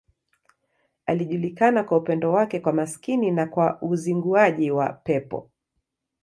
Alijulikana kwa upendo wake kwa maskini na kwa uzinguaji wa pepo.